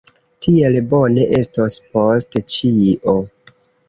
Tiel bone estos post ĉio.